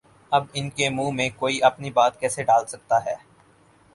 اب ان کے منہ میں کوئی اپنی بات کیسے ڈال سکتا ہے؟